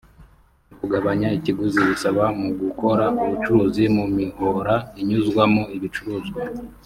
mu kugabanya ikiguzi bisaba mu gukora ubucuruzi mu mihora inyuzwamo ibicuruzwa